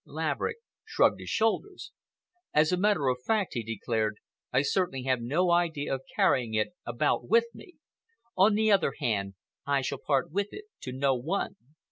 Laverick shrugged his shoulders. "As a matter of fact," he declared, "I certainly have no idea of carrying it about with me. On the other hand, I shall part with it to no one.